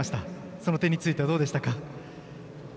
その点についてはどうでしたか？